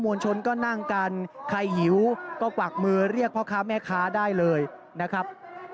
วลชนก็นั่งกันใครหิวก็กวักมือเรียกพ่อค้าแม่ค้าได้เลยนะครับ